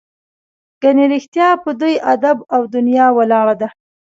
ګنې رښتیا په دوی ادب او دنیا ولاړه ده.